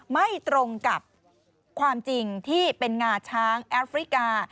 ไม่ตรงกับความจริงที่เป็นงาช้างแอฟริกา